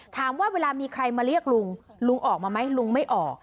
ถามว่าเวลามีใครมาเรียกลุงลุงออกมาไหมลุงไม่ออก